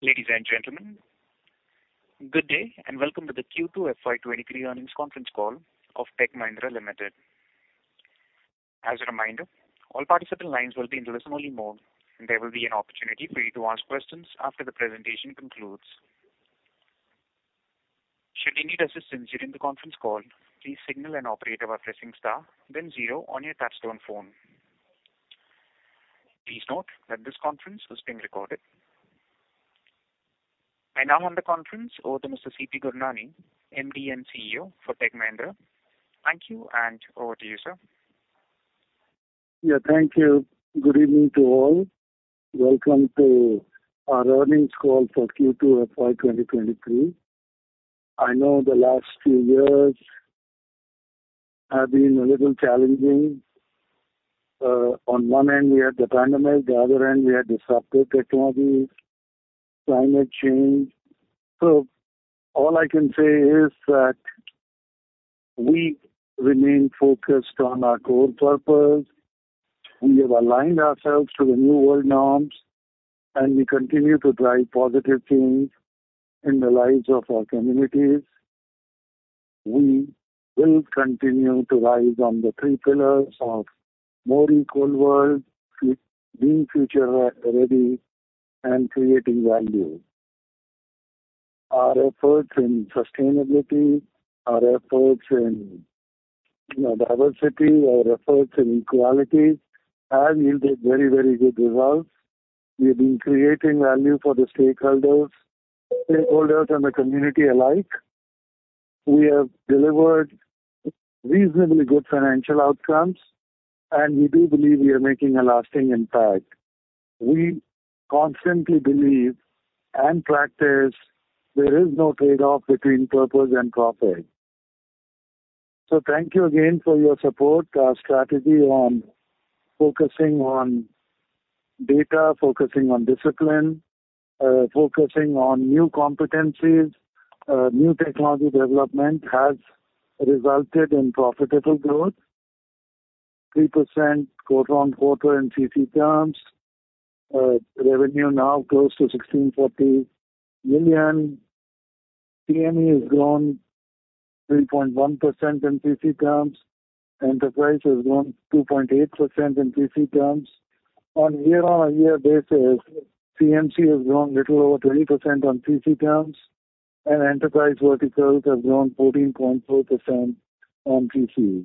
Ladies and gentlemen, good day and welcome to the Q2 FY 2023 Earnings Conference Call of Tech Mahindra Limited. As a reminder, all participant lines will be in listen only mode, and there will be an opportunity for you to ask questions after the presentation concludes. Should you need assistance during the conference call, please signal an operator by pressing star then zero on your touchtone phone. Please note that this conference is being recorded. I now hand the conference over to Mr. C.P. Gurnani, MD and CEO for Tech Mahindra. Thank you and over to you, sir. Yeah. Thank you. Good evening to all. Welcome to our earnings call for Q2 FY 2023. I know the last few years have been a little challenging. On one end we had the pandemic, the other end we had disruptive technologies, climate change. All I can say is that we remain focused on our core purpose. We have aligned ourselves to the new world norms, and we continue to drive positive change in the lives of our communities. We will continue to rise on the three pillars of more equal world, being future re-ready and creating value. Our efforts in sustainability, our efforts in, you know, diversity, our efforts in equality have yielded very, very good results. We've been creating value for the stakeholders and the community alike. We have delivered reasonably good financial outcomes, and we do believe we are making a lasting impact. We constantly believe and practice there is no trade-off between purpose and profit. Thank you again for your support. Our strategy on focusing on data, focusing on discipline, focusing on new competencies, new technology development has resulted in profitable growth, 3% quarter-on-quarter in CC terms. Revenue now close to $1,640 million. CME has grown 3.1% in CC terms. Enterprise has grown 2.8% in CC terms. On year-on-year basis, CME has grown little over 20% on CC terms, and Enterprise Verticals have grown 14.4% on CC.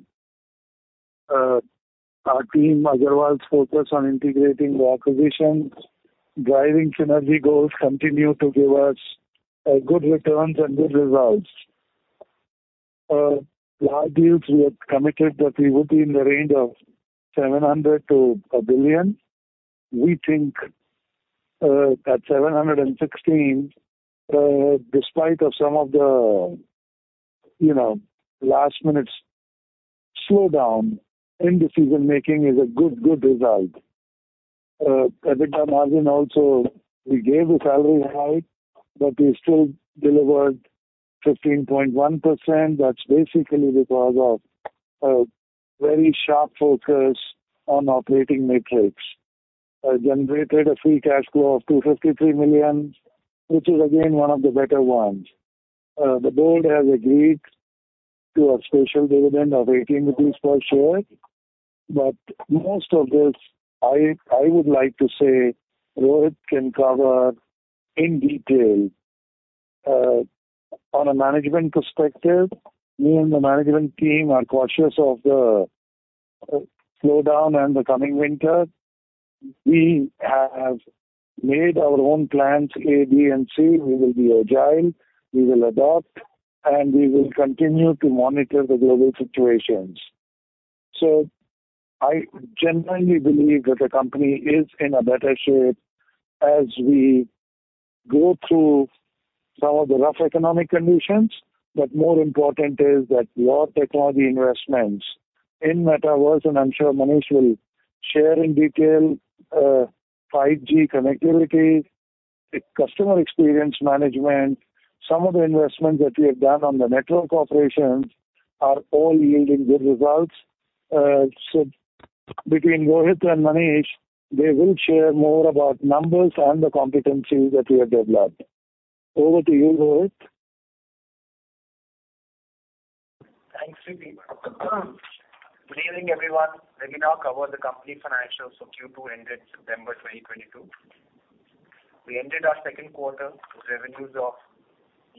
Our Team Agarwal's focus on integrating the acquisitions, driving synergy goals continue to give us good returns and good results. Large deals we had committed that we would be in the range of $700 million-$1 billion. We think that $716 million, despite of some of the, you know, last minute slowdown in decision making is a good result. EBITDA margin also we gave a salary hike, but we still delivered 15.1%. That's basically because of a very sharp focus on operating metrics. Generated a free cash flow of $253 million, which is again one of the better ones. The board has agreed to a special dividend of 18 rupees per share. Most of this I would like to say Rohit can cover in detail. On a management perspective, me and the management team are cautious of the slowdown and the coming winter. We have made our own plans A, B, and C. We will be agile, we will adapt, and we will continue to monitor the global situations. I genuinely believe that the company is in a better shape as we go through some of the rough economic conditions. More important is that your technology investments in Metaverse, and I'm sure Manish will share in detail, 5G connectivity, customer experience management, some of the investments that we have done on the network operations are all yielding good results. So between Rohit and Manish, they will share more about numbers and the competencies that we have developed. Over to you, Rohit. Thanks, C.P. Good evening, everyone. Let me now cover the company financials for Q2 ended September 2022. We ended our second quarter with revenues of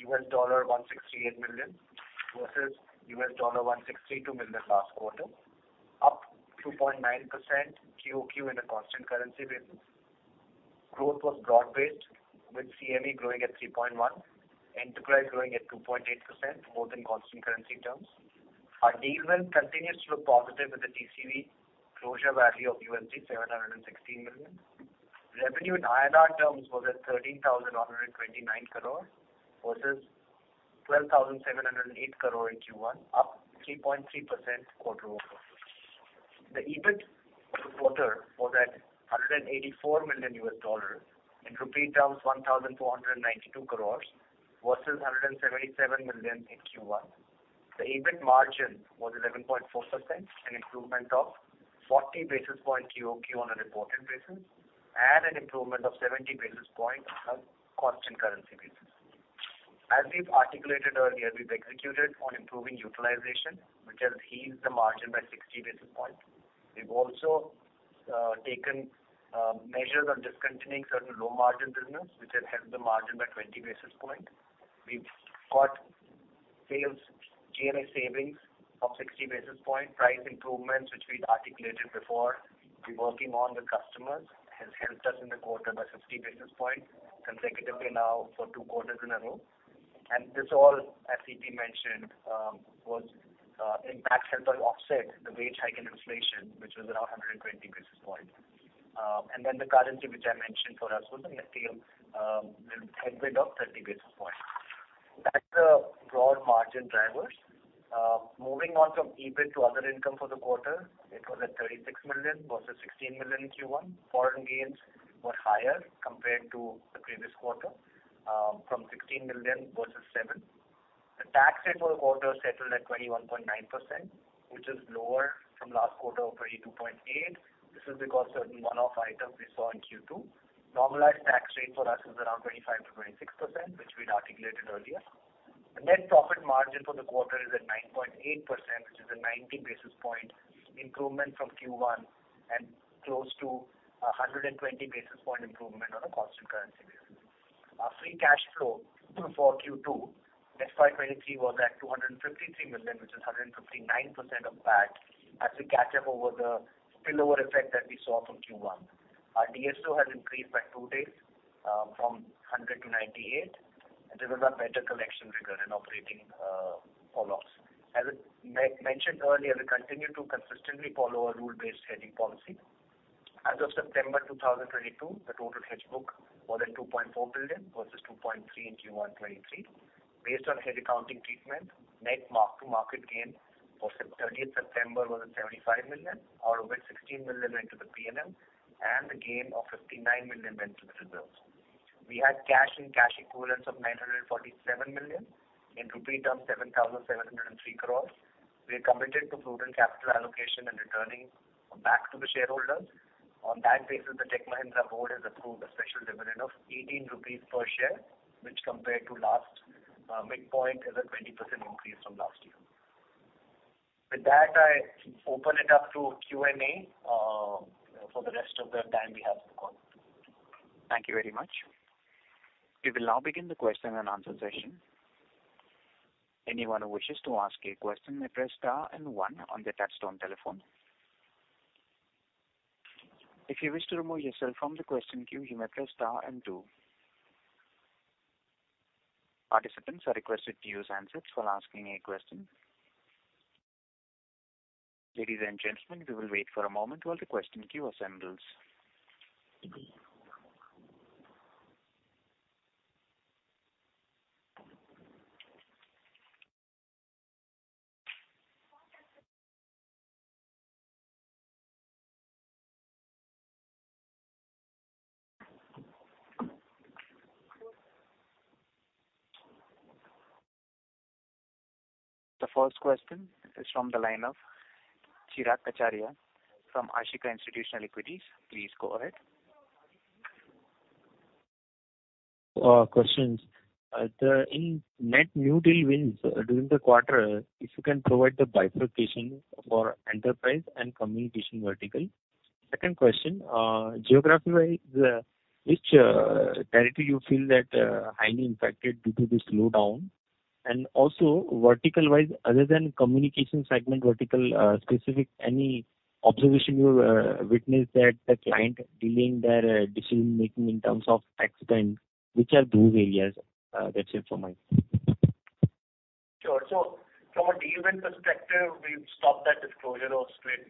$168 million, versus $162 million last quarter, up 2.9% QoQ in a constant currency basis. Growth was broad-based with CME growing at 3.1%, Enterprise growing at 2.8% in constant currency terms. Our deal wins continue to look positive with the TCV closing value of $716 million. Revenue in INR terms was at 13,129 crore versus 12,708 crore in Q1, up 3.3% quarter-over-quarter. The EBIT for the quarter was at $184 million. In rupee terms, 1,492 crores versus $177 million in Q1. The EBIT margin was 11.4%, an improvement of 40 basis points QoQ on a reported basis and an improvement of 70 basis points on a constant currency basis. As we've articulated earlier, we've executed on improving utilization, which has helped the margin by 60 basis points. We've also taken measures on discontinuing certain low margin business which has helped the margin by 20 basis points. We've got SG&A savings of 60 basis points. Price improvements which we'd articulated before we're working on with customers has helped us in the quarter by 50 basis points consecutively now for two quarters in a row. This all, as C.P. mentioned, was an impact that helped us offset the wage hike and inflation, which was around 120 basis points. The currency which I mentioned for us was a net headwind of 30 basis points. That's the broad margin drivers. Moving on from EBIT to other income for the quarter. It was at $36 million versus $16 million in Q1. Foreign gains were higher compared to the previous quarter, from $16 million versus $7 million. The tax rate for the quarter settled at 21.9%, which is lower from last quarter of 22.8%. This is because certain one-off items we saw in Q2. Normalized tax rate for us is around 25%-26%, which we'd articulated earlier. The net profit margin for the quarter is at 9.8%, which is a 90 basis point improvement from Q1 and close to a 120 basis point improvement on a constant currency basis. Our free cash flow for Q2 FY 2023 was at $253 million, which is 159% of PAT as we catch up over the spillover effect that we saw from Q1. Our DSO has increased by 2 days from 100 to 98, and this is our better collection rigor and operating follow-ups. As we mentioned earlier, we continue to consistently follow our rule-based hedging policy. As of September 2022, the total hedge book was at $2.4 billion versus $2.3 billion in Q1 2023. Based on hedge accounting treatment, net mark to market gain for 30, September was at $ 75 million, out of which $16 million went to the P&L and the gain of $ 59 million went to the reserves. We had cash and cash equivalents of $947 million, in rupee terms 7,703 crores. We are committed to prudent capital allocation and returning back to the shareholders. On that basis, the Tech Mahindra board has approved a special dividend of 18 rupees per share, which compared to last midpoint is a 20% increase from last year. With that, I open it up to Q&A for the rest of the time we have for the call. Thank you very much. We will now begin the question and answer session. Anyone who wishes to ask a question may press star and one on their touchtone telephone. If you wish to remove yourself from the question queue, you may press star and two. Participants are requested to use handsets while asking a question. Ladies and gentlemen, we will wait for a moment while the question queue assembles. The first question is from the line of Chirag Acharya from Ashika Institutional Equities. Please go ahead. First question. The net new deal wins during the quarter, if you can provide the bifurcation for enterprise and communication vertical? Second question, geography wise, which territory you feel that highly impacted due to the slowdown and also vertical wise, other than communication segment vertical, specific, any observation you witnessed that the client delaying their decision making in terms of CapEx spend, which are those areas? That's it from my end. Sure. From a deal win perspective, we've stopped that disclosure or split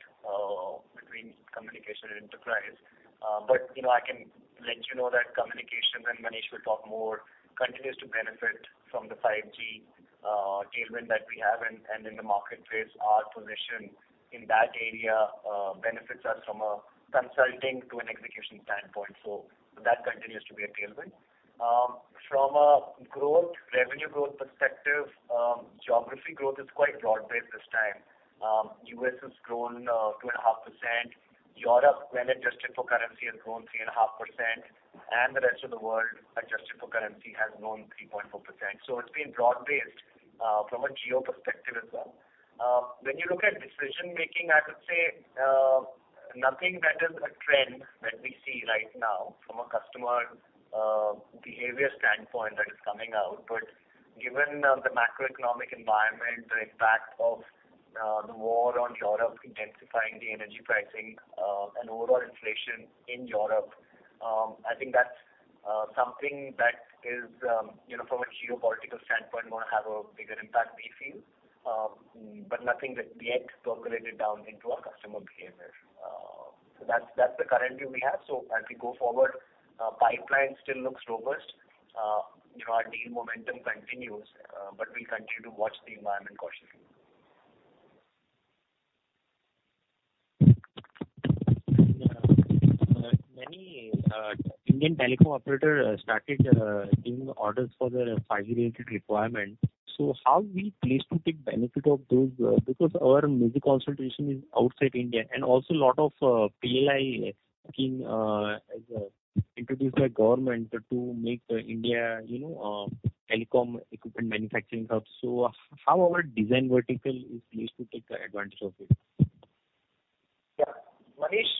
between communication and enterprise. You know, I can let you know that communication, and Manish will talk more, continues to benefit from the 5G tailwind that we have. In the marketplace, our position in that area benefits us from a consulting to an execution standpoint. That continues to be a tailwind. From a growth, revenue growth perspective, geography growth is quite broad-based this time. U.S. has grown 2.5%. Europe, when adjusted for currency, has grown 3.5%. The rest of the world, adjusted for currency, has grown 3.4%. It's been broad-based from a geo perspective as well. When you look at decision making, I would say nothing that is a trend that we see right now from a customer behavior standpoint that is coming out. Given the macroeconomic environment, the impact of the war on Europe intensifying the energy pricing and overall inflation in Europe, I think that's something that is you know from a geopolitical standpoint gonna have a bigger impact we feel. Nothing that's yet percolated down into our customer behavior. That's the current view we have. As we go forward, pipeline still looks robust. You know, our deal momentum continues. But we'll continue to watch the environment cautiously. Many Indian telecom operator started giving orders for their 5G-related requirements. How we place to take benefit of those, because our major concentration is outside India. Also lot of PLI scheme is introduced by government to make India, you know, telecom equipment manufacturing hub. How our design vertical is placed to take advantage of it? Yeah. Manish,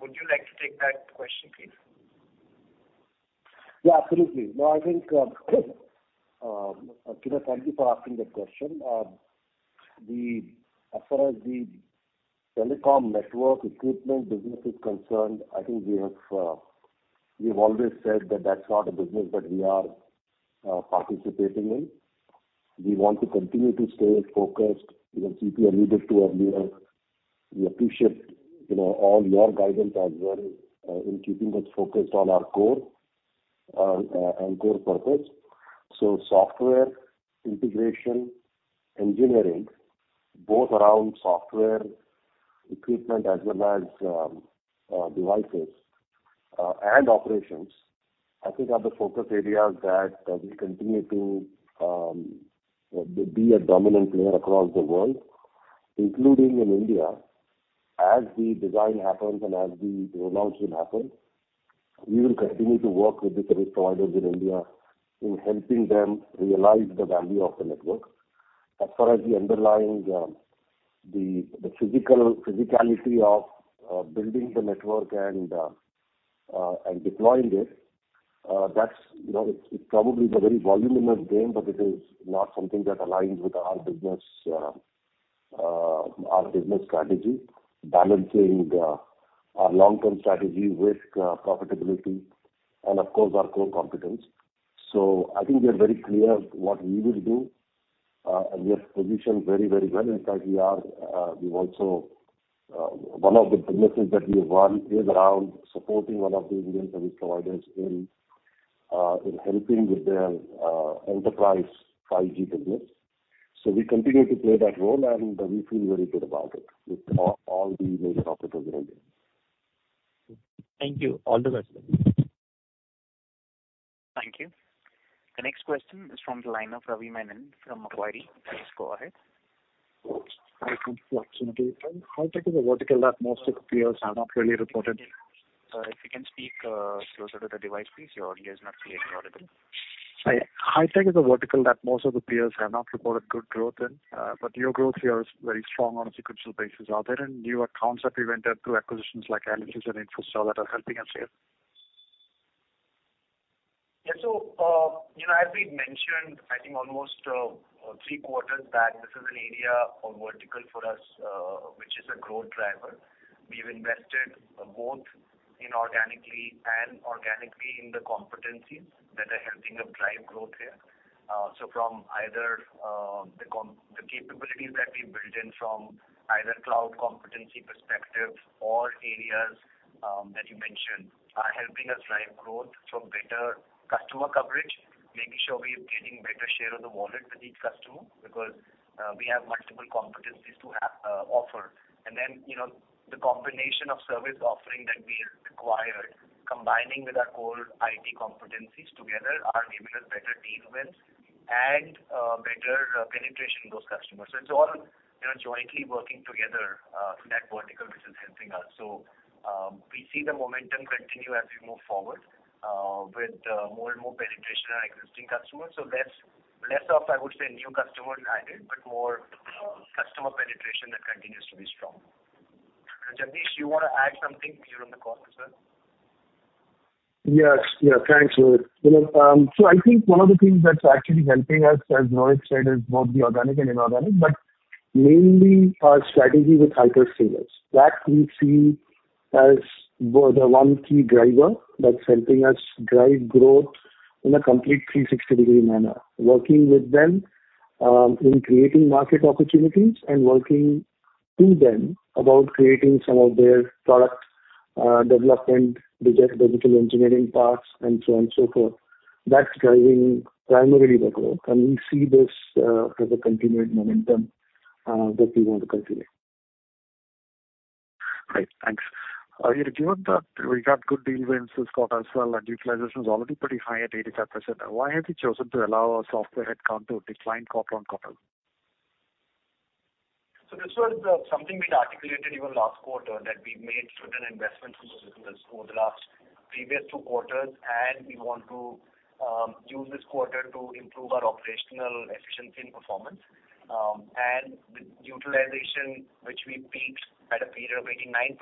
would you like to take that question, please? Yeah, absolutely. I think, Chirag thank you for asking that question. As far as the telecom network equipment business is concerned, I think we have, we've always said that that's not a business that we are participating in. We want to continue to stay focused, you know, C.P. alluded to earlier. We appreciate, you know, all your guidance as well, in keeping us focused on our core and core purpose. Software integration engineering, both around software equipment as well as devices and operations, I think are the focus areas that we continue to be a dominant player across the world, including in India. As the design happens and as the rollout will happen, we will continue to work with the service providers in India in helping them realize the value of the network. As far as the underlying physicality of building the network and deploying it, that's, you know, it's probably a very voluminous game. It is not something that aligns with our business strategy. Balancing our long-term strategy with profitability and of course our core competence. I think we are very clear what we will do, and we are positioned very, very well. In fact, we've also one of the businesses that we run is around supporting one of the Indian service providers in helping with their enterprise 5G business. We continue to play that role, and we feel very good about it with all the major operators in India. Thank you. All the best. Thank you. The next question is from the line of Ravi Menon from Macquarie. Please go ahead. Hi. Thanks for the opportunity. Hi, tech is a vertical that most of the peers have not really reported? Sir, if you can speak closer to the device, please. Your audio is not clearly audible. Sorry. Hi, Tech is a vertical that most of the peers have not reported good growth in. Your growth here is very strong on a sequential basis. Are there any new accounts that you entered through acquisitions like Allyis and Infostar that are helping us here? Yeah, you know, as we've mentioned, I think almost three quarters back, this is an area or vertical for us, which is a growth driver. We've invested both inorganically and organically in the competencies that are helping us drive growth here. From either the capabilities that we built in from either cloud competency perspective or areas that you mentioned are helping us drive growth from better customer coverage. Making sure we are gaining better share of the wallet with each customer because we have multiple competencies to offer. Then, you know, the combination of service offering that we acquired combining with our core IT competencies together are enabling us better deal wins and better penetration with those customers. It's all, you know, jointly working together through that vertical which is helping us. We see the momentum continue as we move forward with more and more penetration on existing customers. Thats less of, I would say, new customer added, but more customer penetration that continues to be strong. Jagdish, you wanna add something? You're on the call as well. Yes. Yeah, thanks, Rohit. You know, I think one of the things that's actually helping us, as Rohit said, is both the organic and inorganic but mainly our strategy with hyperscalers. That we see as the one key driver that's helping us drive growth in a complete 360-degree manner. Working with them, in creating market opportunities and working through them about creating some of their product development, digital engineering parts and so on and so forth. That's driving primarily the growth. We see this as a continued momentum that we want to continue. Great. Thanks. Given that we got good deal wins this quarter as well, and utilization is already pretty high at 85%, why have you chosen to allow our software headcount to decline quarter-on-quarter? This was something we'd articulated even last quarter, that we made certain investments in the business over the last previous two quarters. We want to use this quarter to improve our operational efficiency and performance. With utilization which we peaked at a period of 89%,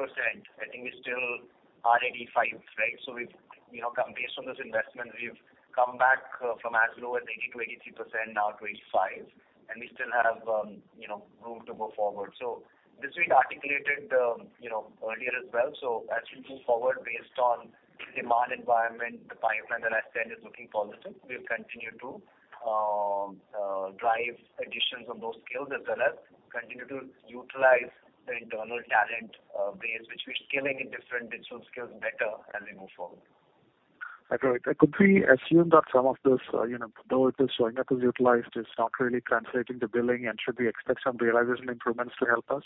I think we still are at 85%, right? We've, you know, based on those investments, we've come back from as low as 80% to 83%, now to 85%. We still have, you know, room to go forward. This we'd articulated, you know, earlier as well. As we move forward based on demand environment, the pipeline that I said is looking positive. We'll continue to drive additions on those skills as well as continue to utilize the internal talent base which we're skilling in different digital skills better as we move forward. Agreed. Could we assume that some of this, you know, though it is showing up as utilized, is not really translating to billing? Should we expect some realization improvements to help us?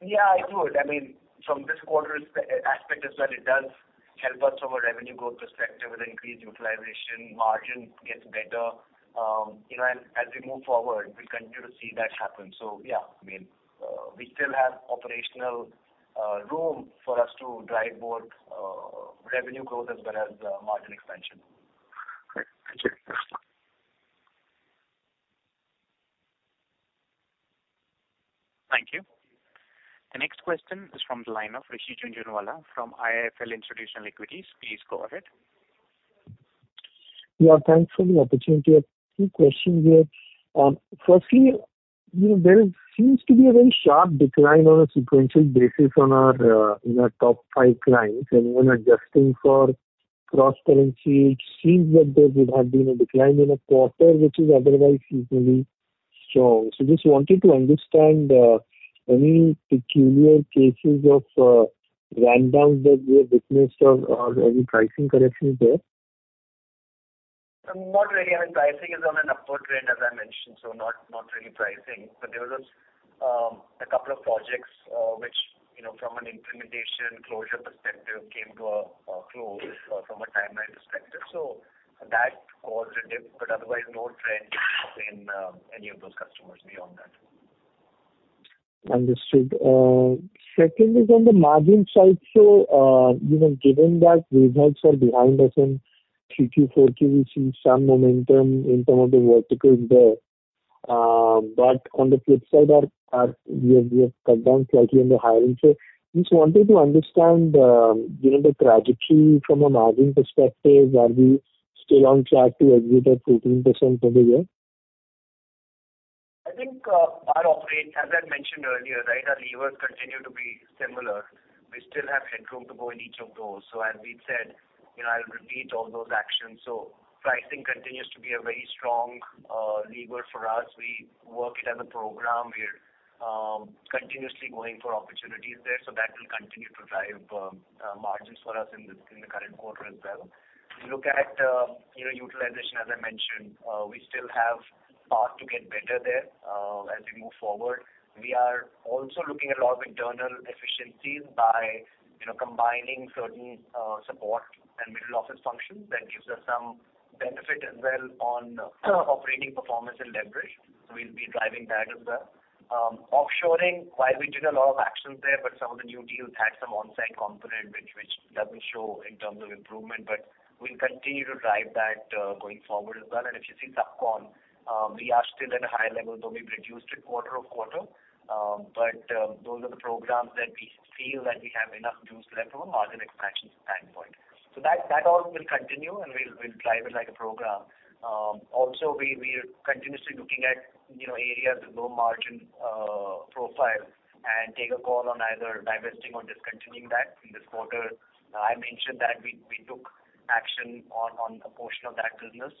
Yeah, it would. I mean, from this quarter's perspective is that it does help us from a revenue growth perspective with increased utilization, margin gets better. You know, and as we move forward, we continue to see that happen. Yeah, I mean, we still have operational room for us to drive both revenue growth as well as margin expansion. Great. Thank you. Thank you. The next question is from the line of Rishi Jhunjhunwala from IIFL Institutional Equities. Please go ahead. Yeah, thanks for the opportunity. A few questions here. Firstly, you know, there seems to be a very sharp decline on a sequential basis in our top five clients. When adjusting for cross-currency, it seems that there would have been a decline in a quarter which is otherwise usually strong. Just wanted to understand any peculiar cases of ramp downs that we have witnessed or any pricing corrections there? Not really. I mean, pricing is on an upward trend, as I mentioned, so not really pricing. There was a couple of projects, which, you know, from an implementation closure perspective, came to a close from a timeline perspective. That caused a dip, but otherwise no trend in any of those customers beyond that. Understood. Secondly, on the margin side, you know, given that results are behind us in Q2, Q4, we've seen some momentum in some of the verticals there. On the flip side, we have cut down slightly on the hiring. Just wanted to understand, you know, the trajectory from a margin perspective. Are we still on track to exit at 14% for the year? I think, as I mentioned earlier, right, our levers continue to be similar. We still have headroom to go in each of those. As we've said, you know, I'll repeat all those actions. Pricing continues to be a very strong lever for us. We work it as a program. We're continuously going for opportunities there, so that will continue to drive margins for us in the current quarter as well. If you look at, you know, utilization, as I mentioned, we still have path to get better there, as we move forward. We are also looking at a lot of internal efficiencies by, you know, combining certain support and middle office functions. That gives us some benefit as well on operating performance and leverage. We'll be driving that as well. Offshoring, while we did a lot of actions there, but some of the new deals had some on-site component which doesn't show in terms of improvement. We'll continue to drive that, going forward as well. If you see Subcon, we are still at a higher level, though we've reduced it quarter-over-quarter. Those are the programs that we feel that we have enough juice left from a margin expansion standpoint. That all will continue, and we'll drive it like a program. Also we're continuously looking at, you know, areas with low-margin profile and take a call on either divesting or discontinuing that in this quarter. I mentioned that we took action on a portion of that business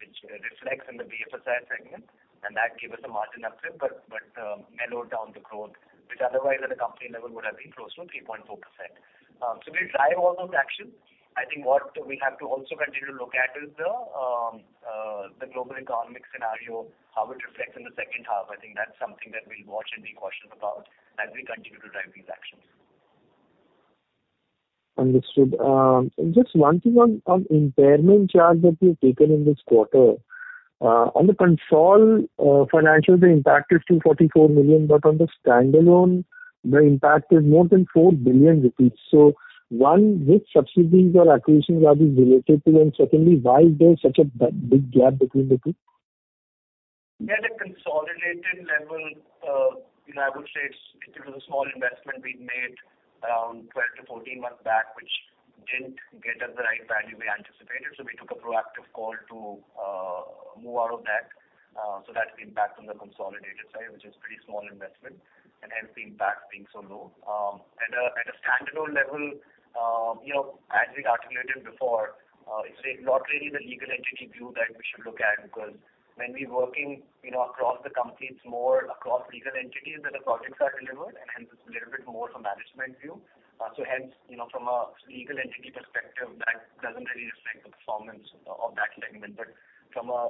which reflects in the BFSI segment, and that gave us a margin uplift, but mellowed down the growth, which otherwise at a company level would have been close to 3.4%. We'll drive all those actions. I think what we have to also continue to look at is the global economic scenario, how it reflects in the second half. I think that's something that we'll watch and be cautious about as we continue to drive these actions. Understood. Just one thing on impairment charge that you've taken in this quarter. On the consolidated financials, the impact is $244 million, but on the standalone the impact is more than 4 billion rupees. One, which subsidiaries or acquisitions are these related to? And secondly, why is there such a big gap between the two? At a consolidated level, you know, I would say it's due to the small investment we made around 12-14 months back, which didn't get us the right value we anticipated. We took a proactive call to move out of that. That's the impact on the consolidated side, which is pretty small investment and hence the impact being so low. At a standalone level, you know, as we articulated before, it's not really the legal entity view that we should look at, because when we're working, you know, across the company, it's more across legal entities that the projects are delivered and hence it's a little bit more from management view. Hence, you know, from a legal entity perspective, that doesn't really reflect the performance of that segment. From a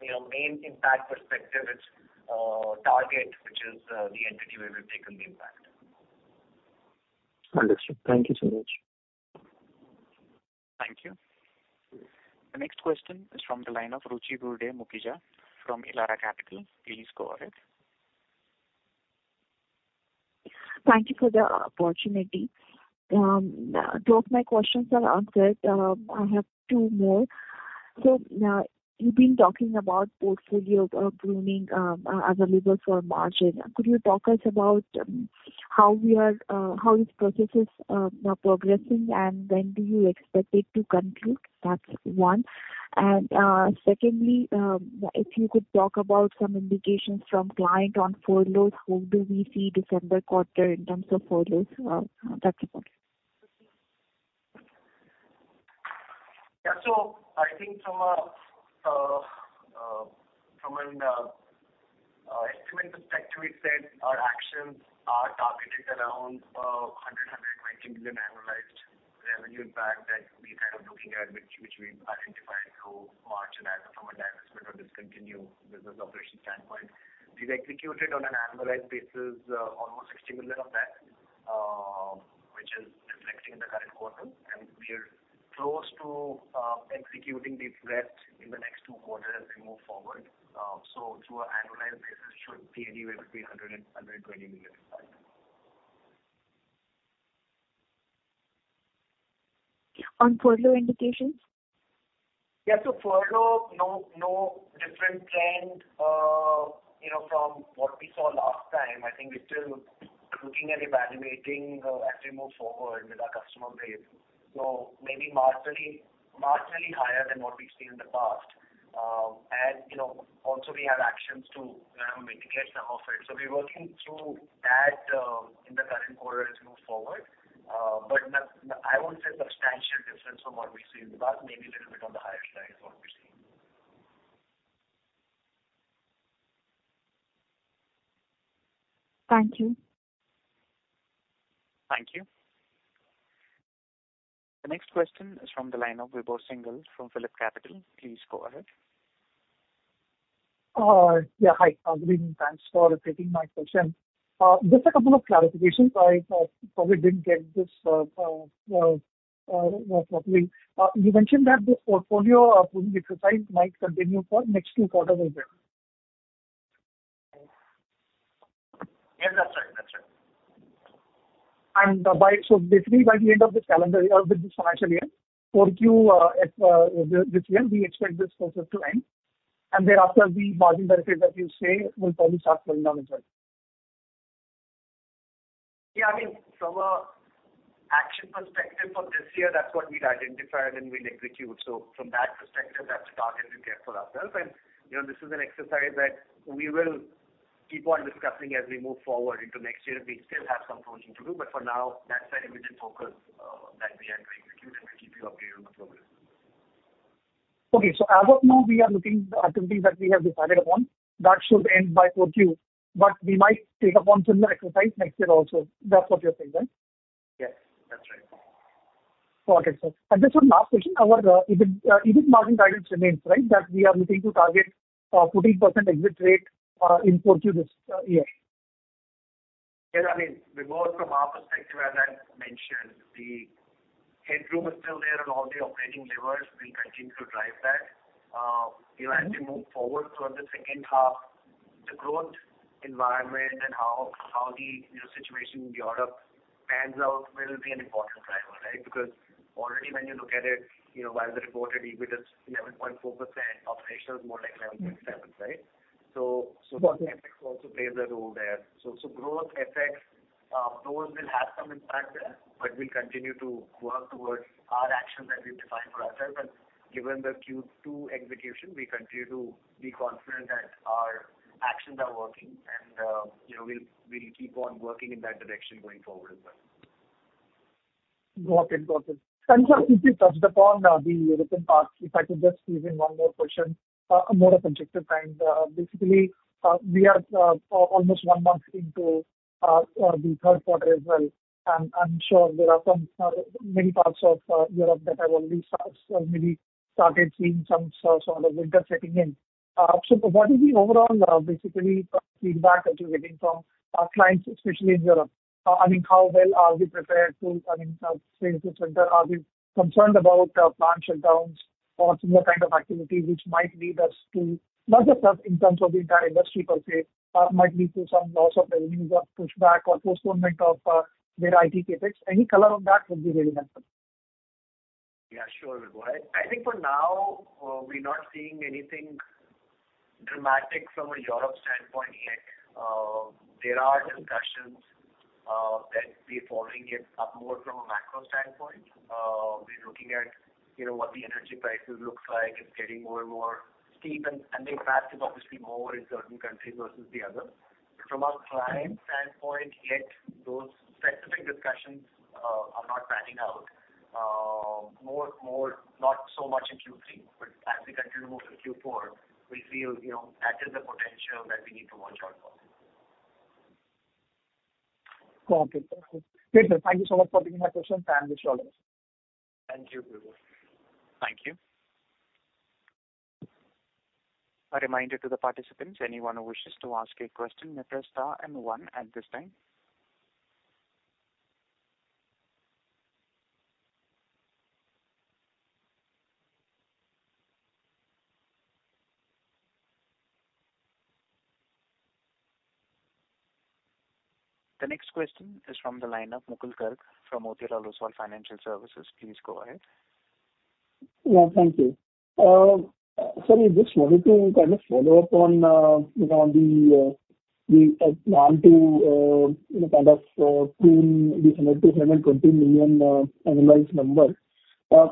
you know main impact perspective, it's Target, which is the entity where we've taken the impact. Understood. Thank you so much. Thank you. The next question is from the line of Ruchi Burde Mukhija from Elara Capital. Please go ahead. Thank you for the opportunity. Two of my questions are answered. I have two more. You've been talking about portfolio pruning as a lever for margin. Could you talk to us about how this process is progressing and when do you expect it to conclude? That's one. Secondly, if you could talk about some indications from client on furloughs, how do we see December quarter in terms of furloughs? That's it. I think from an estimate perspective, we said our actions are targeted around $120 million annualized revenue impact. Which we identified through March as from a divestment or discontinued business operation standpoint. We've executed on an annualized basis almost $60 million of that, which is reflecting in the current quarter. We are close to executing the rest in the next two quarters as we move forward. On an annualized basis should be anywhere between $100 million and $120 million. On further indications? Yeah. So far, no different trend, you know, from what we saw last time. I think we're still looking and evaluating as we move forward with our customer base. Maybe marginally higher than what we've seen in the past. You know, also we have actions to, you know, mitigate some of it. We're working through that in the current quarter as we move forward. But I won't say substantial difference from what we've seen in the past. Maybe a little bit on the higher side is what we're seeing. Thank you. Thank you. The next question is from the line of Vibhor Singhal from PhillipCapital. Please go ahead. Yeah. Hi. Good evening. Thanks for taking my question. Just a couple of clarifications. I probably didn't get this properly. You mentioned that this portfolio pruning exercise might continue for next two quarters as well? Yes, that's right. That's right. Basically by the end of this calendar year or this financial year, 4Q this year, we expect this process to end, and thereafter the margin benefit that you say will probably start flowing down as well? Yeah. I mean, from an action perspective for this year, that's what we've identified and we'll execute. From that perspective, that's the target we've set for ourselves. You know, this is an exercise that we will keep on discussing as we move forward into next year. We still have some pruning to do, but for now, that's the immediate focus that we are going to execute, and we'll keep you updated on the progress. Okay. As of now we are looking the activities that we have decided upon, that should end by 4Q, but we might take up on similar exercise next year also. That's what you're saying, right? Yes, that's right. Okay, sir. Just one last question. Our EBIT margin guidance remains, right? That we are looking to target 14% exit rate in 4Q this year. Yeah. I mean, Vibhor, from our perspective, as I mentioned, the headroom is still there on all the operating levers. We'll continue to drive that. You know, as we move forward towards the second half, the growth environment and how the situation in Europe pans out will be an important driver, right? Because already when you look at it, you know, while the reported EBIT is 11.4%, operational is more like 11.7%, right? Got it. That also plays a role there. Growth effects, those will have some impact there, but we'll continue to work towards our actions that we've defined for ourselves. Given the Q2 execution, we continue to be confident that our actions are working and, you know, we'll keep on working in that direction going forward as well. Got it. Sir, since you touched upon the European parts, if I could just squeeze in one more question, a more objective kind. Basically, we are almost one month into the third quarter as well. I'm sure there are so many parts of Europe that have already started seeing some sort of winter setting in. What is the overall basically feedback that you're getting from our clients, especially in Europe? I mean, how well are we prepared to, I mean, face this winter? Are we concerned about plant shutdowns or similar kind of activity which might lead to not just us in terms of the entire industry per se, some loss of revenues or pushback or postponement of their IT CapEx? Any color on that would be really helpful. Yeah, sure, Vibhor. I think for now, we're not seeing anything dramatic from a Europe standpoint yet. There are discussions that we're following it up more from a macro standpoint. We're looking at, you know, what the energy prices looks like. It's getting more and more steep and the impact is obviously more in certain countries versus the other. But from a client standpoint, yet those specific discussions are not panning out. More, not so much in Q3, but as we continue to move to Q4, we feel, you know, that is the potential that we need to watch out for. Got it. Okay. Great then. Thank you so much for taking my questions. I wish you all the best. Thank you, Vibhor. Thank you. A reminder to the participants, anyone who wishes to ask a question may press star and one at this time. The next question is from the line of Mukul Garg from Motilal Oswal Financial Services. Please go ahead. Yeah, thank you. Sir, I just wanted to kind of follow up on, you know, the plan to, you know, kind of prune the $100 million-$120 million annualized number.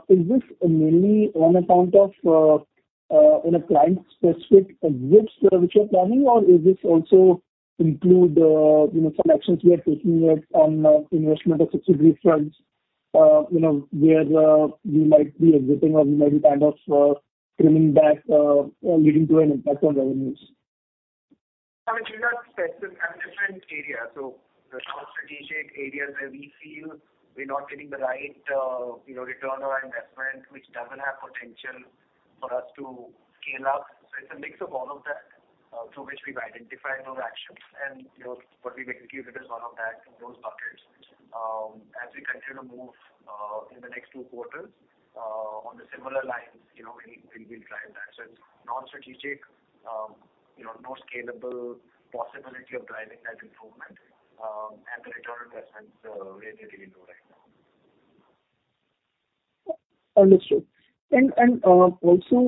Is this mainly on account of, you know, client-specific exits which you're planning, or is this also include, you know, some actions we are taking here on investment of subsidiary funds, you know, where we might be exiting or we might be kind of trimming back leading to an impact on revenues? I mean, it's not specific to different areas. The non-strategic areas where we feel we're not getting the right, you know, return on investment, which doesn't have potential for us to scale up. It's a mix of all of that through which we've identified those actions. You know, what we've executed is all of that in those buckets. As we continue to move in the next two quarters on similar lines, you know, we will drive that. It's non-strategic, you know, no scalable possibility of driving that improvement, and the return on investments really, really low right now. Understood. Also,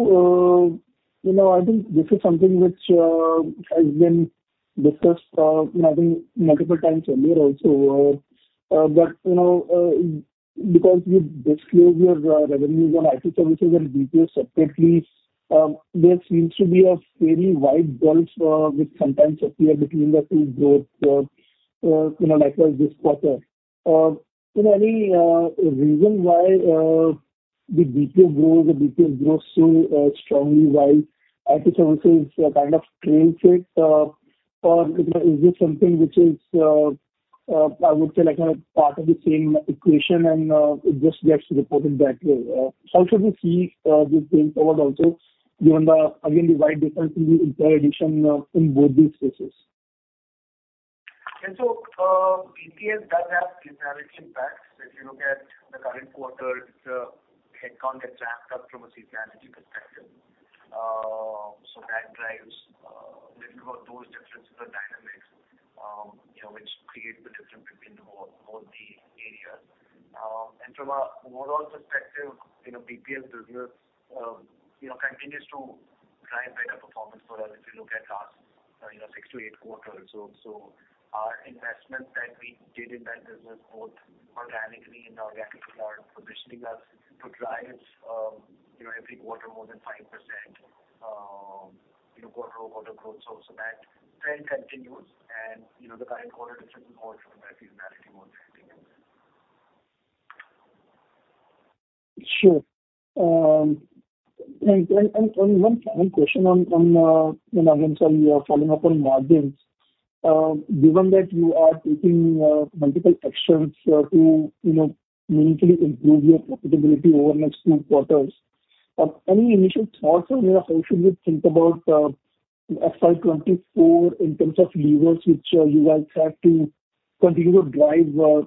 you know, I think this is something which has been discussed, I think multiple times earlier also. You know, because you disclose your revenues on IT services and BPO separately, there seems to be a fairly wide gulf which sometimes appear between the two growth, you know, like, this quarter. You know, any reason why the BPS grows or BPS grow so strongly while IT services kind of trails it? Or, you know, is this something which is, I would say like, kind of, part of the same equation and it just gets reported that way? How should we see this going forward also given the, again, the wide difference in the entire addition in both these spaces? BPS does have seasonality impacts. If you look at the current quarter, it's a headcount that's ramped up from a seasonality perspective. So that drives little of those differences or dynamics, you know, which create the difference between both the areas. From an overall perspective, you know, BPS business continues to drive better performance for us if you look at last six to eight quarters. Our investment that we did in that business, both organically and inorganically, is positioning us to drive every quarter more than 5%, you know, quarter-over-quarter growth. That trend continues. You know, the current quarter difference is more from a seasonality point of view. Sure. One final question on, you know, again, sorry, following up on margins. Given that you are taking multiple actions to, you know, meaningfully improve your profitability over next two quarters. Any initial thoughts on, you know, how should we think about FY 2024 in terms of levers which you guys have to continue to drive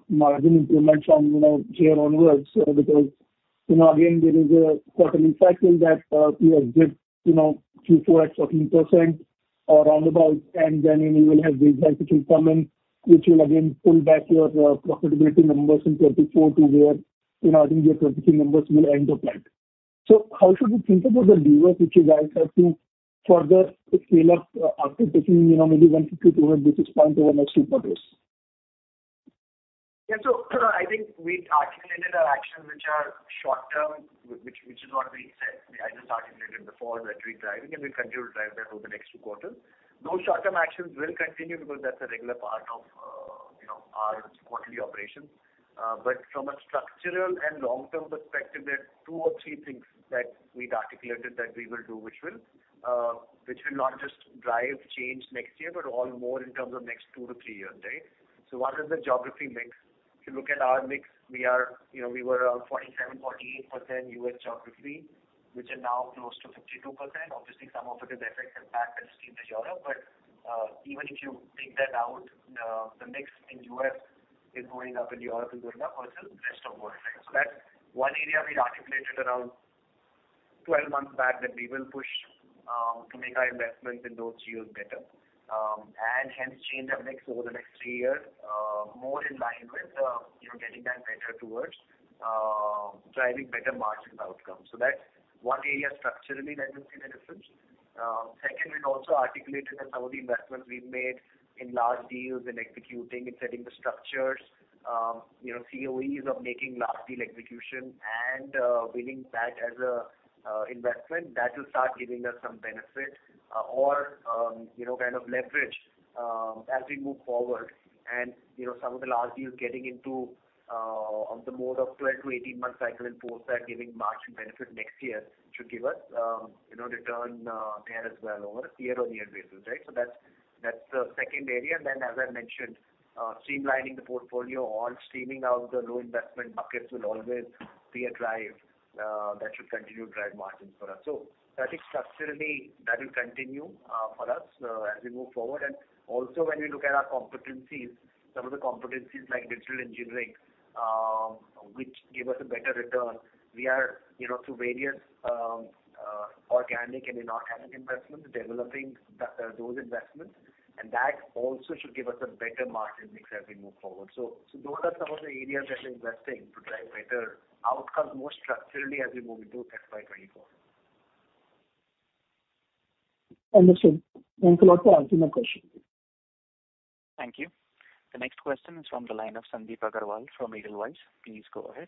margin improvements from, you know, here onwards? Because, you know, again, there is a quarterly cycle that you have dipped, you know, Q4 with 14% or thereabouts. You will have wage hikes which will come in, which will again pull back your profitability numbers in 2024 to where, you know, I think your 2023 numbers will end up like. How should we think about the levers which you guys have to further scale up after taking, you know, maybe 1, 2 basis points over next 2 quarters? Yeah. I think we articulated our actions which are short term, which is what we said. I just articulated before that we're driving and we'll continue to drive that over the next two quarters. Those short-term actions will continue because that's a regular part of, you know, our quarterly operations. From a structural and long-term perspective, there are two or three things that we'd articulated that we will do, which will not just drive change next year, but even more in terms of next two to three years. Right? One is the geography mix. If you look at our mix, you know, we were around 47%-48% U.S. geography, which are now close to 52%. Obviously, some of it is effect and impact of steam age Europe. Even if you take that out, the mix in U.S. is going up and Europe is going up versus rest of world. Right? That's one area we'd articulated around 12 months back that we will push to make our investments in those years better and hence change that mix over the next 3 years more in line with you know getting that better towards driving better margin outcomes. That's one area structurally that you'll see the difference. Second, we'd also articulated that some of the investments we've made in large deals and executing and setting the structures you know COEs of making large deal execution and building that as a investment that will start giving us some benefit or you know kind of leverage as we move forward. You know, some of the large deals getting into on the mode of 12- to 18-month cycle and post that giving margin benefit next year should give us, you know, return there as well over a year-on-year basis. Right? That's the second area. As I mentioned, streamlining the portfolio or streaming out the low investment buckets will always be a drive that should continue to drive margins for us. So I think structurally that will continue for us as we move forward. Also when we look at our competencies, some of the competencies like digital engineering which give us a better return. We are through various organic and inorganic investments, developing those investments, and that also should give us a better margin mix as we move forward. Those are some of the areas that we're investing to drive better outcomes more structurally as we move into FY 2024. Understood. Thanks a lot for answering my question. Thank you. The next question is from the line of Sandip Agarwal from Edelweiss. Please go ahead.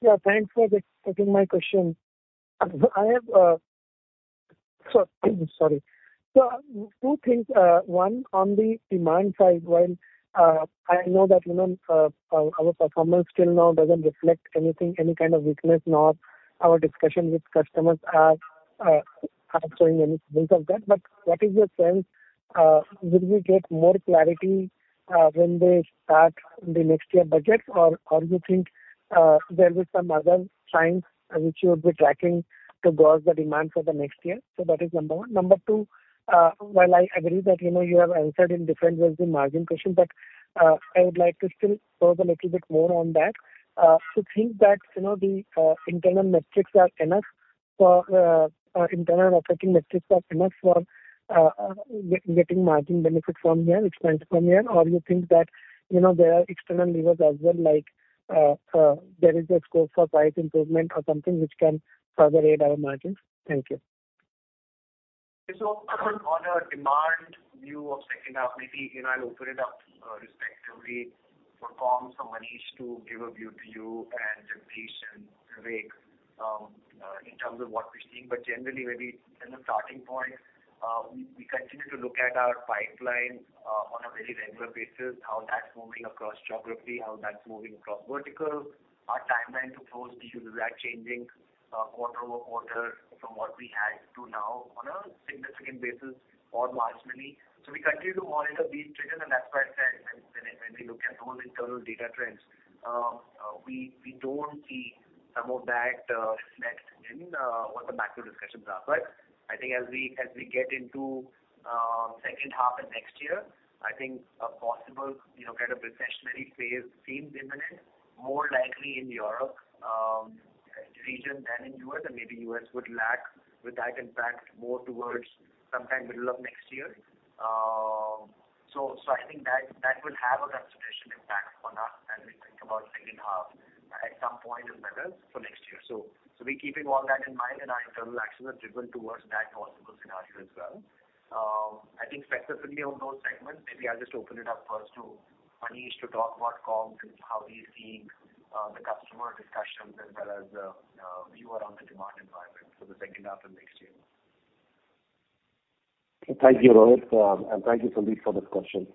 Yeah, thanks for taking my question. I have.. Sorry. Two things. One, on the demand side, while I know that, you know, our performance till now doesn't reflect anything, any kind of weakness, nor our discussions with customers are showing any signs of that. What is your sense, will we get more clarity, when they start the next year budget? Or do you think, there is some other signs which you would be tracking to gauge the demand for the next year? That is number one. Number two, while I agree that, you know, you have answered in different ways the margin question, but I would like to still probe a little bit more on that. Do you think that, you know, internal operating metrics are enough for getting margin benefit from here, which comes from here? Or you think that, you know, there are external levers as well, like, there is a scope for price improvement or something which can further aid our margins? Thank you. On a demand view of second half, maybe, you know, I'll open it up, respectively for Com, for Manish to give a view to you and Deepish and Vivek, in terms of what we're seeing. Generally, maybe as a starting point, we continue to look at our pipeline, on a very regular basis, how that's moving across geography, how that's moving across verticals. Our timeline to close deals is actually changing, quarter-over-quarter from what we had to now on a significant basis or marginally. We continue to monitor these triggers, and that's why I said when we look at our own internal data trends, we don't see some of that, reflected in what the macro discussions are. I think as we get into second half and next year, I think a possible, you know, kind of recessionary phase seems imminent, more likely in European region than in U.S. Maybe U.S. would lag with that impact more towards sometime middle of next year. I think that will have a gravitational impact on us as we think about second half at some point if ever for next year. We're keeping all that in mind, and our internal actions are driven towards that possible scenario as well. I think specifically on those segments, maybe I'll just open it up first to Manish to talk about comms and how he's seeing the customer discussions as well as view around the demand environment for the second half of next year. Thank you, Rohit. And thank you, Sandip, for this question.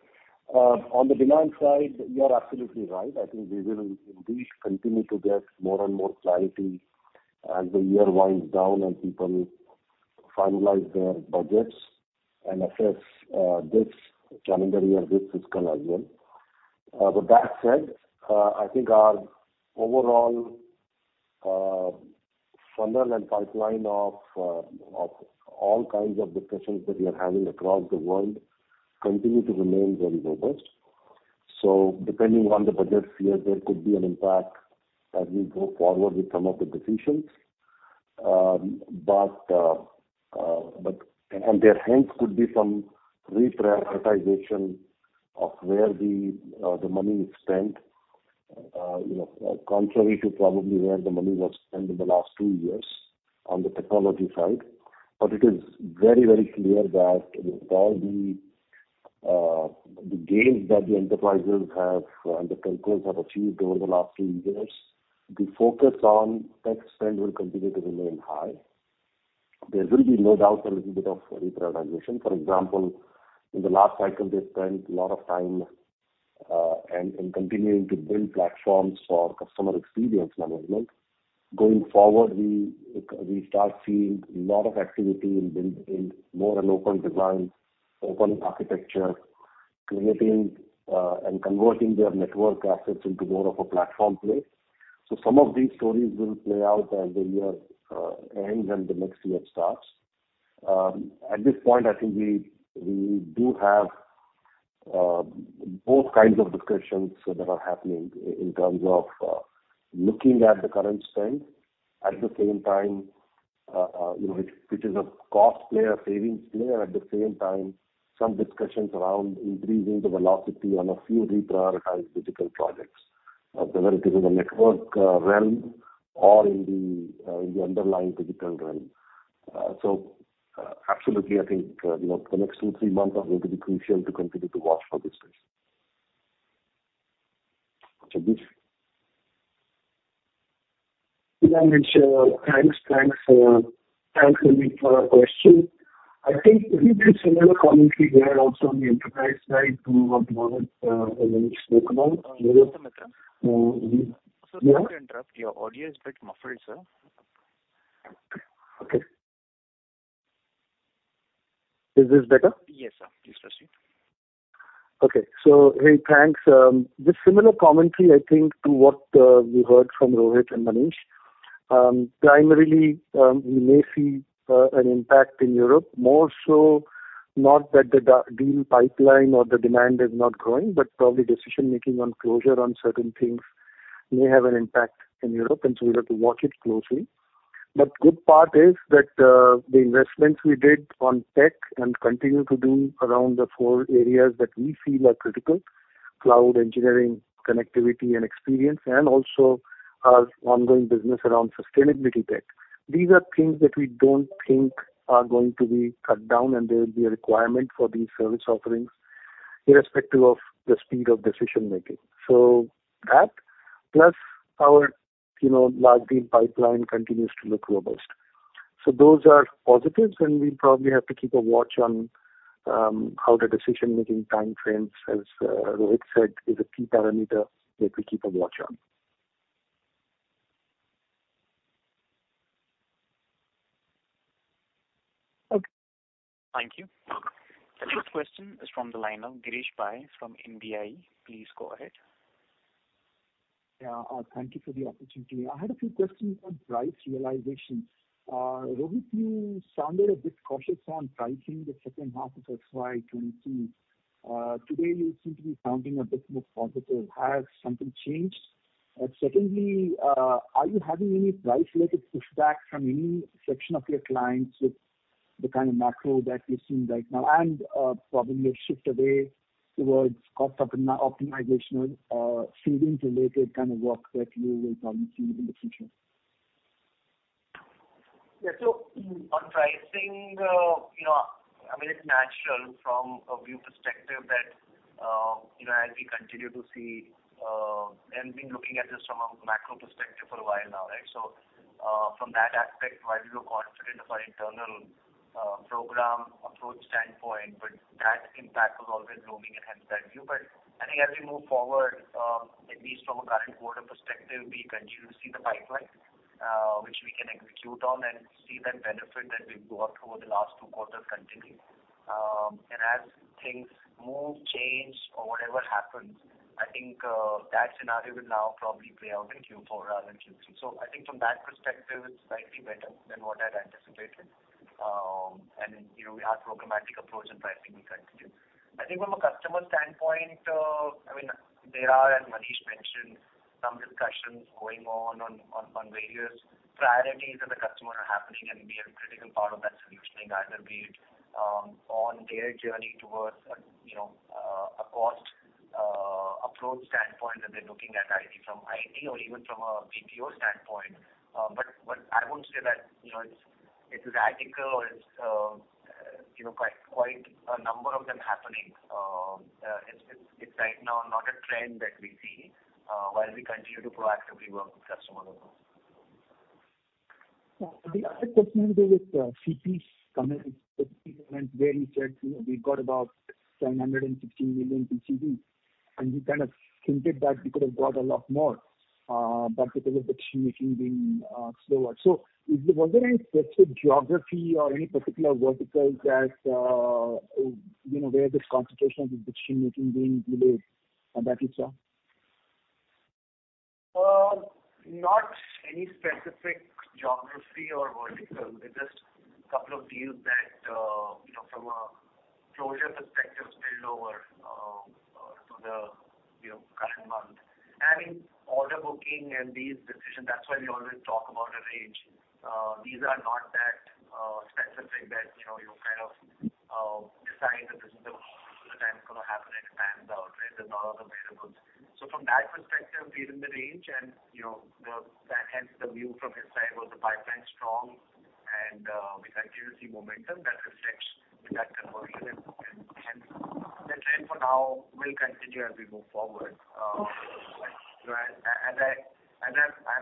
On the demand side, you are absolutely right. I think we will indeed continue to get more and more clarity as the year winds down and people finalize their budgets and assess this calendar year, this fiscal as well. With that said, I think our overall funnel and pipeline of all kinds of discussions that we are having across the world continue to remain very robust. So depending on the budget year, there could be an impact as we go forward with some of the decisions. But therefore could be some reprioritization of where the money is spent, you know, contrary to probably where the money was spent in the last two years on the technology side. It is very, very clear that with all the gains that the enterprises have and the telcos have achieved over the last two years, the focus on tech spend will continue to remain high. There will be no doubt a little bit of reprioritization. For example, in the last cycle, they spent a lot of time and continuing to build platforms for customer experience management. Going forward, we start seeing a lot of activity in more open designs, open architecture, creating and converting their network assets into more of a platform play. Some of these stories will play out as the year ends and the next year starts. At this point, I think we do have both kinds of discussions that are happening in terms of looking at the current spend. At the same time, you know, which is a cost play, a savings play. At the same time, some discussions around increasing the velocity on a few reprioritized digital projects, whether it is in the network realm or in the underlying digital realm. Absolutely, I think, you know, the next two, three months are going to be crucial to continue to watch for this space. Jagdish? Yeah, Manish. Thanks, answering the question. I think we did similar commentary there also on the enterprise side to what Rohit and Manish spoke about. Sir, Jagdish Sir, sorry to interrupt. Your audio is a bit muffled, sir. Okay. Is this better? Yes, sir. Please proceed. Okay. Hey, thanks. Just similar commentary I think to what we heard from Rohit and Manish. Primarily, we may see an impact in Europe more so, not that the deal pipeline or the demand is not growing, but probably decision-making on closure on certain things may have an impact in Europe, and so we have to watch it closely. Good part is that, the investments we did on tech and continue to do around the four areas that we feel are critical, cloud engineering, connectivity and experience, and also our ongoing business around sustainability tech. These are things that we don't think are going to be cut down, and there will be a requirement for these service offerings irrespective of the speed of decision making. That plus our, you know, large deal pipeline continues to look robust. Those are positives, and we probably have to keep a watch on how the decision-making time frames, as Rohit said, is a key parameter that we keep a watch on. Okay. Thank you. The next question is from the line of Girish Pai from MBA. Please go ahead. Yeah. Thank you for the opportunity. I had a few questions on price realization. Rohit, you sounded a bit cautious on pricing the second half of FY 2022. Today you seem to be sounding a bit more positive. Has something changed? Secondly, are you having any price-related pushback from any section of your clients with the kind of macro that we're seeing right now and, probably a shift away towards cost optimization or savings-related kind of work that you will probably see in the future? Yeah. On pricing, you know, I mean, it's natural from a view perspective that, you know, as we continue to see, and been looking at this from a macro perspective for a while now, right? From that aspect, while we were confident of our internal, program approach standpoint, but that impact was always looming and hence that view. I think as we move forward, at least from a current quarter perspective, we continue to see the pipeline, which we can execute on and see that benefit that we built up over the last two quarters continue. As things move, change or whatever happens, I think, that scenario will now probably play out in Q4 rather than Q3. I think from that perspective, it's slightly better than what I'd anticipated. You know, our programmatic approach and pricing will continue. I think from a customer standpoint, I mean, there are, as Manish mentioned, some discussions going on various priorities in the customer are happening, and we are a critical part of that solutioning, either be it, on their journey towards a, you know, a cost, approach standpoint that they're looking at IT from IT or even from a BPO standpoint. But I wouldn't say that, you know, it's radical or it's, you know, quite a number of them happening. It's right now not a trend that we see, while we continue to proactively work with customers. The other question is with C.P. Gurnani's comments where he said, you know, we got about $760 million TCV, and he kind of hinted that we could have got a lot more, but because of decision-making being slower. Was there any specific geography or any particular verticals that, you know, where this concentration of decision-making being delayed on that front? Not any specific geography or vertical. It's just a couple of deals that, you know, from a closure perspective spilled over to the, you know, current month. In order booking and deals decision, that's why we always talk about a range. These are not that specific that, you know, you kind of decide that this is the time it's gonna happen and it pans out, right? There's a lot of variables. From that perspective, we're in the range and, you know, that hence the view from his side was the pipeline's strong and we continue to see momentum that reflects that conversion. Hence the trend for now will continue as we move forward. You know, as I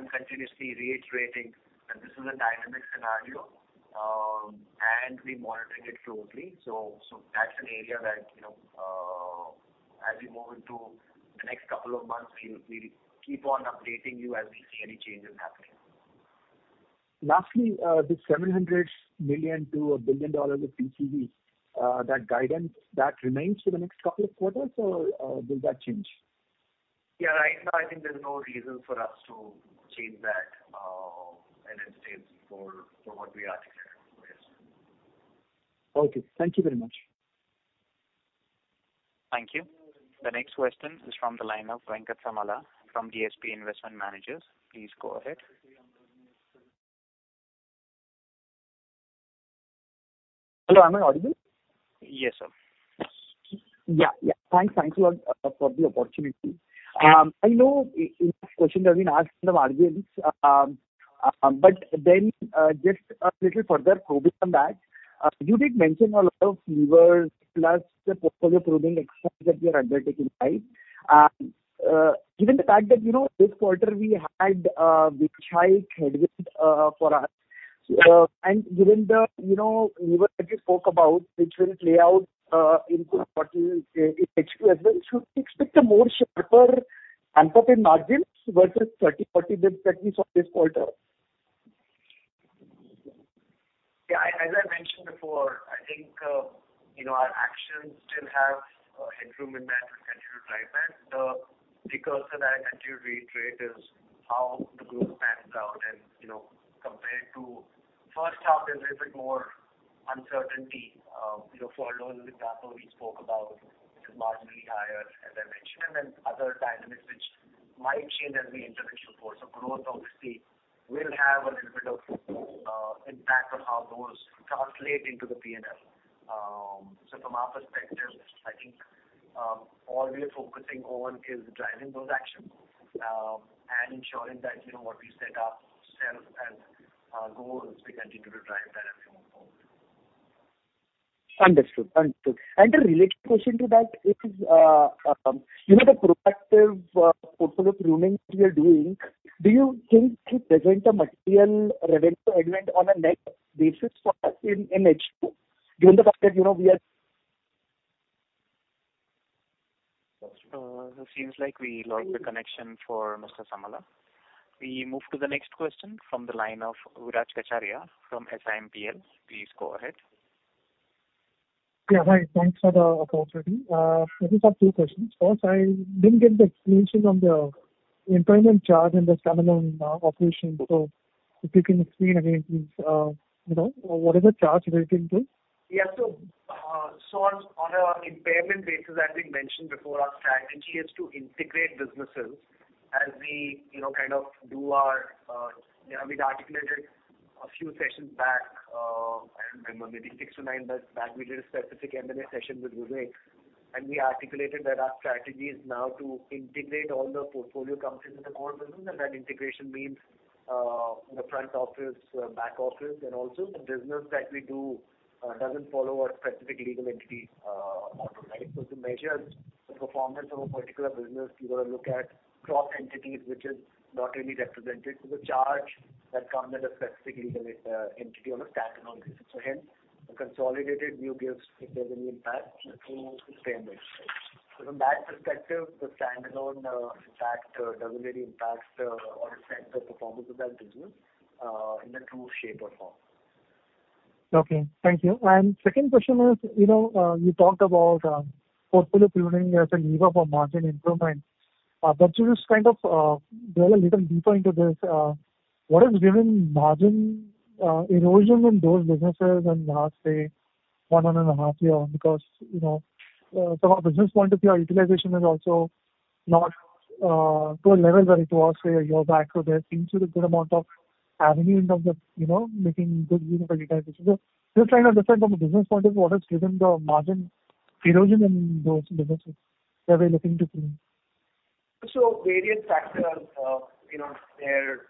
continuously reiterating that this is a dynamic scenario, and we're monitoring it closely. That's an area that, you know, as we move into the next couple of months, we'll keep on updating you as we see any changes happening. Lastly, this $700 million-$1 billion of TCV, that guidance, that remains for the next couple of quarters or will that change? Yeah. Right now I think there's no reason for us to change that, and it stays for what we articulated. Yes. Okay. Thank you very much. Thank you. The next question is from the line of Venkat Samala from DSP Investment Managers. Please go ahead. Hello, am I audible? Yes, sir. Yeah, yeah. Thanks. Thank you all for the opportunity. I know this question has been asked in the margins, but then just a little further probing on that. You did mention a lot of levers plus the portfolio pruning exercise that you are undertaking, right? Given the fact that, you know, this quarter we had the high headwind for us, and given the, you know, lever that you spoke about, which will play out in H2 as well, should we expect a more sharper jump in margins versus 30-30 basis points that we saw this quarter? Yeah. As I mentioned before, I think, you know, our actions still have headroom in that to continue to drive that. The recourse that I continue to reiterate is how the group pans out. You know, compared to first half, there's a bit more uncertainty. You know, furloughs example we spoke about, which is marginally higher, as I mentioned, and then other dynamics which might change as we enter Q4. Growth obviously will have a little bit of impact on how those translate into the P&L. From our perspective, I think, all we are focusing on is driving those actions, and ensuring that, you know, what we set ourself as goals, we continue to drive that as well. Understood, understood. A related question to that is, you know, the proactive portfolio pruning we are doing, do you think it presents a material revenue event on a net basis for us in H2, given the fact that, you know? It seems like we lost the connection for Mr. Samala. We move to the next question from the line of Viraj Kacharia from SiMPL. Please go ahead. Yeah, hi. Thanks for the opportunity. I just have two questions. First, I didn't get the explanation on the impairment charge in the standalone operation. If you can explain again, please, you know, what is the charge relating to? Yeah. On our impairment basis, as we mentioned before, our strategy is to integrate businesses as we, you know, kind of do our, you know, we'd articulated a few sessions back, I don't remember, maybe 6-9 months back, we did a specific M&A session with Vivek. We articulated that our strategy is now to integrate all the portfolio companies into the core business. That integration means, the front office, back office. Also the business that we do, doesn't follow a specific legal entity, automatically. To measure the performance of a particular business, you gotta look at cross entities, which is not really represented to the charge that comes at a specific, entity on a standalone basis. Hence, a consolidated view gives a different impact to the impairment. From that perspective, the standalone impact doesn't really impact or affect the performance of that business in a true shape or form. Okay, thank you. Second question is, you know, you talked about portfolio pruning as a lever for margin improvement. But to just kind of drill a little deeper into this, what has driven margin erosion in those businesses in the last, say, one and a half year? Because, you know, from a business point of view, our utilization is also not to a level where it was say a year back. There seems to be a good amount of avenue in terms of, you know, making good use of the utilization. Just trying to understand from a business point of view, what has driven the margin erosion in those businesses that we're looking to prune? Various factors, you know, where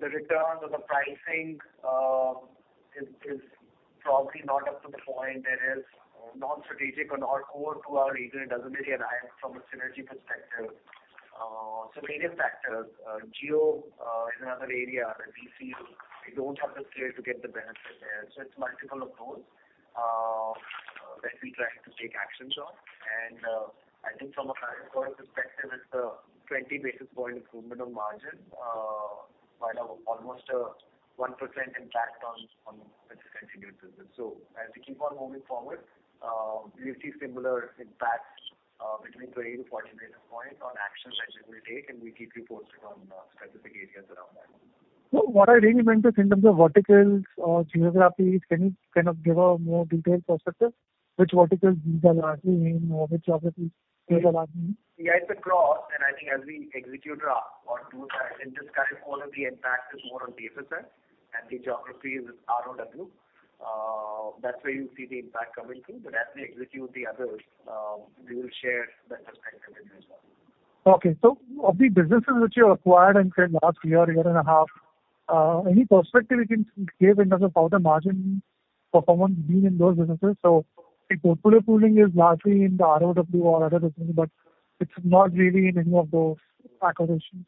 the returns or the pricing is probably not up to the point that is non-strategic or not core to our region. It doesn't really derive from a synergy perspective. Various factors. Geo is another area where we feel we don't have the scale to get the benefit there. It's multiple of those that we try to take actions on. I think from a current quarter perspective, it's a 20 basis point improvement on margin while almost a 1% impact on the discontinued business. As we keep on moving forward, we see similar impacts between 20-40 basis points on actions that we will take, and we keep you posted on specific areas around that. What I really meant is in terms of verticals or geographies, can you kind of give a more detailed perspective, which verticals these are largely in or which geographies these are largely in? Yeah, it's across. I think as we execute our or do that in this current quarter, the impact is more on BSS and the geographies is ROW. That's where you see the impact coming through. As we execute the others, we will share better transparency as well. Okay. Of the businesses which you acquired in, say, last year and a half, any perspective you can give in terms of how the margin performance been in those businesses? The portfolio pruning is largely in the ROW or other businesses, but it's not really in any of those acquisitions.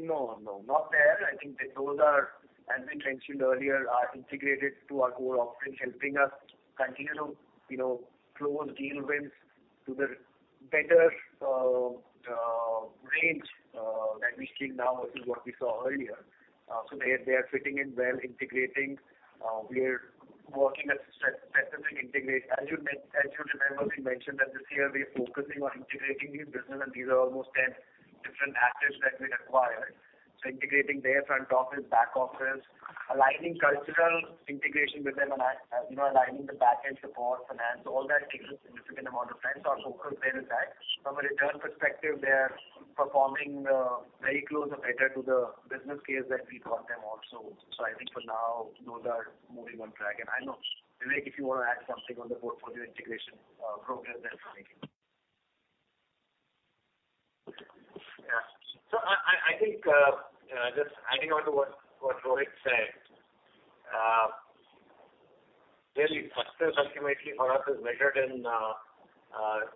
No, not there. I think that those are, as we mentioned earlier, integrated to our core offering, helping us continue to, you know, close deal wins to the better range that we see now versus what we saw earlier. They are fitting in well, integrating. We're working on specific integration. As you remember, we mentioned that this year we are focusing on integrating new business, and these are almost ten different acquisitions that we've acquired. Integrating their front office, back office, aligning cultural integration with them, and you know, aligning the back-end support, finance, all that takes a significant amount of time. Our focus there is that. From a return perspective, they are performing very close or better to the business case that we bought them also. I think for now, those are moving on track. I know, Vivek, if you wanna add something on the portfolio integration, progress there for me. Yeah. I think just adding on to what Rohit said, real success ultimately for us is measured in large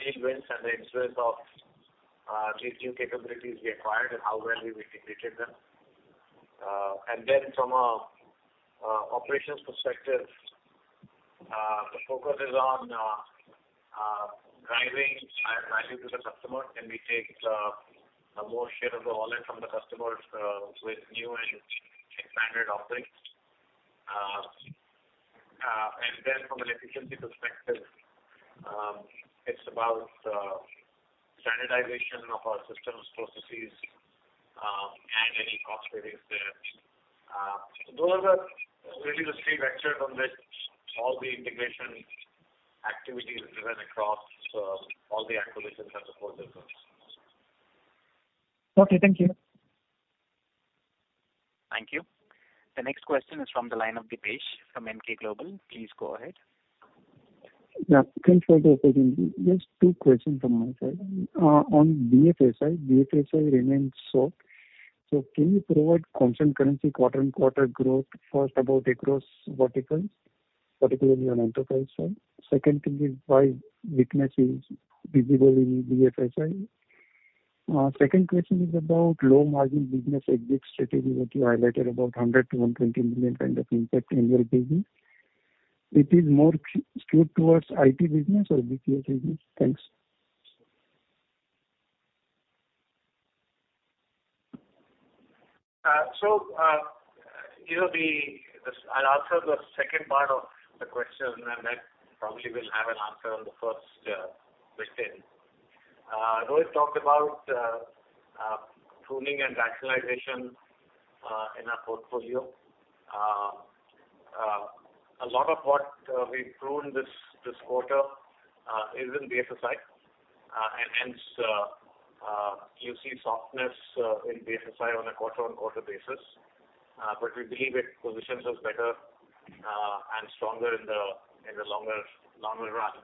deal wins and the influence of these new capabilities we acquired and how well we've integrated them. From an operations perspective, the focus is on driving higher value to the customer. Can we take a more share of the wallet from the customers with new and expanded offerings? From an efficiency perspective, it's about standardization of our systems, processes, and any cost savings there. Those are really the three vectors on which all the integration activities will run across all the acquisitions and portfolio prunings. Okay. Thank you. Thank you. The next question is from the line of Dipesh from Emkay Global. Please go ahead. Thanks for the opportunity. Just two questions from my side. On BFSI. BFSI remains so. Can you provide constant currency quarter-on-quarter growth first about across verticals, particularly on enterprise side? Second thing is why weakness is visible in BFSI? Second question is about low margin business exit strategy that you highlighted about $100 million-$120 million kind of impact annual business. It is more skewed towards IT business or BPS business? Thanks. You know, I'll answer the second part of the question, and then probably will have an answer on the first question. Rohit talked about pruning and rationalization in our portfolio. A lot of what we pruned this quarter is in BFSI. Hence, you see softness in BFSI on a quarter-on-quarter basis. We believe it positions us better and stronger in the longer run.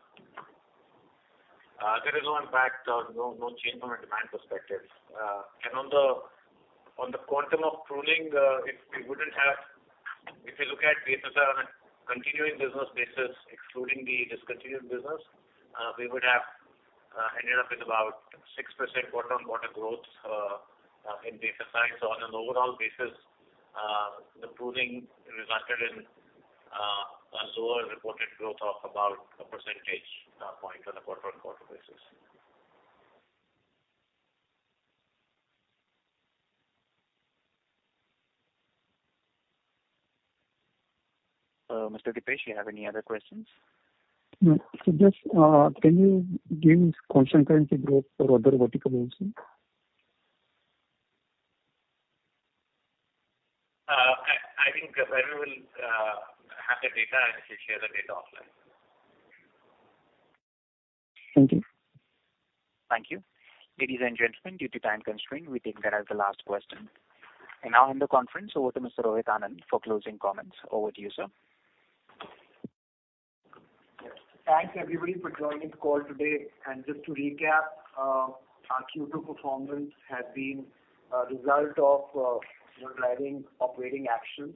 There is no impact or no change on a demand perspective. On the quantum of pruning, if you look at BFSI on a continuing business basis, excluding the discontinued business, we would have ended up with about 6% quarter-on-quarter growth in BFSI. On an overall basis, the pruning resulted in a lower reported growth of about a percentage point on a quarter-on-quarter basis. Mr. Dipesh, you have any other questions? No. Just, can you give constant currency growth for other vertical also? I think Varun will have the data, and he'll share the data offline. Thank you. Thank you. Ladies and gentlemen, due to time constraint, we take that as the last question. I now hand the conference over to Mr. Rohit Anand for closing comments. Over to you, sir. Yes. Thanks everybody for joining the call today. Just to recap, our Q2 performance has been a result of, you know, driving operating action.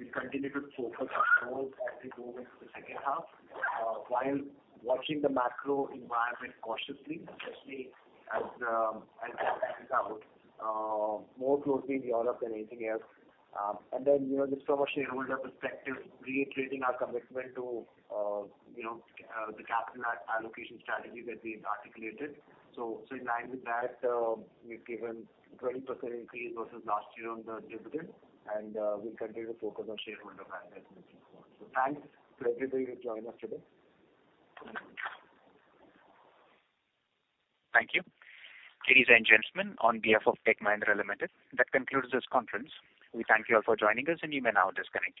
We continue to focus on growth as we move into the second half, while watching the macro environment cautiously, especially as it plays out more closely in Europe than anything else. Then, you know, just from a shareholder perspective, reiterating our commitment to, you know, the capital allocation strategy that we've articulated. In line with that, we've given 20% increase versus last year on the dividend, and we'll continue to focus on shareholder value as mentioned before. Thanks to everybody who joined us today. Thank you. Ladies and gentlemen, on behalf of Tech Mahindra Limited, that concludes this conference. We thank you all for joining us, and you may now disconnect your lines.